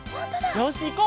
よしいこう！